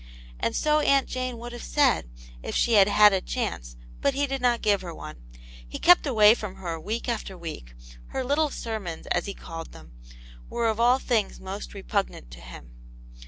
And so Aunt Jane would have said, if she had had a chance, but he did not give her one. He kept away from her week after week ; her little sermons, as he called them, were of all things most repugnant to him.